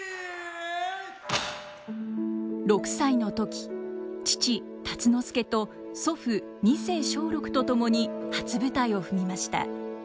６歳の時父辰之助と祖父二世松緑と共に初舞台を踏みました。